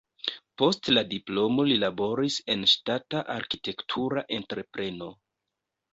Post la diplomo li laboris en ŝtata arkitektura entrepreno.